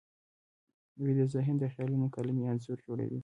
ویده ذهن د خیالونو قلمي انځور جوړوي